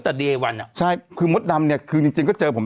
แต่เดวันอ่ะใช่คือมดดำเนี่ยคือจริงจริงก็เจอผม